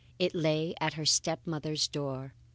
It lay at her step mother's door.